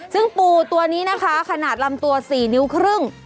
ซึ่งปูตัวนี้นะคะขนาดลำตัว๔นิ้วครึ่ง